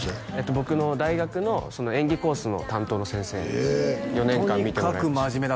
僕の大学の演技コースの担当の先生なんですへえ４年間見てもらいました